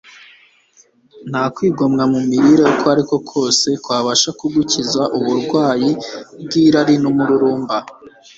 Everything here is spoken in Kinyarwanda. nta kwigomwa mu mirire uko ariko kose kwabasha kugukiza uburwayi bw'irari n'umururumba